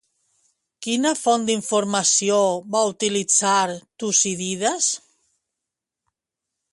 Quina font d'informació va utilitzar Tucídides?